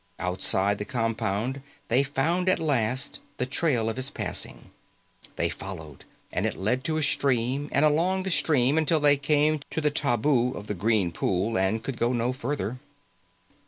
Outside the compound they found, at last, the trail of his passing. They followed and it led to a stream and along the stream until they came to the tabu of the green pool, and could go no farther.